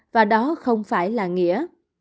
và đó không phải là nghĩa